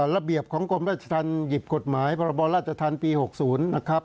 ระเบียบของกรมราชธรรมหยิบกฎหมายพรบราชธรรมปี๖๐นะครับ